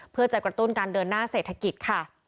เพื่อจะกระตุ้นการเดินหน้าเศรษฐกิจค่ะ